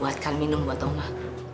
buatkan minum buat oma